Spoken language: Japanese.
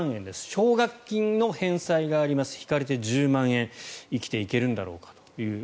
奨学金の返済があります引かれて１０万円生きていけるんだろうか。